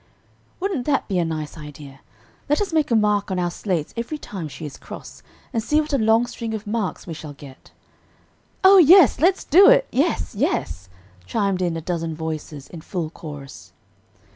"Wouldn't that be a nice idea? Let us make a mark on our slates every time she is cross, and see what a long string of marks we shall get." "Oh yes! let's do it! Yes! yes!" chimed in a dozen voices in full chorus.